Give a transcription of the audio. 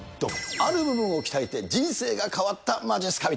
あるものを鍛えて、人生が変わったまじっすか人。